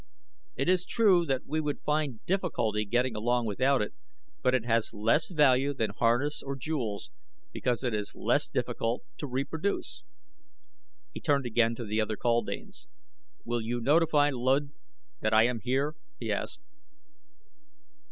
It is true that we would find difficulty getting along without it; but it has less value than harness or jewels because it is less difficult to reproduce." He turned again to the other kaldanes. "Will you notify Luud that I am here?" he asked.